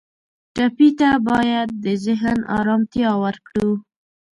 ټپي ته باید د ذهن آرامتیا ورکړو.